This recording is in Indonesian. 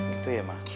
gitu ya mak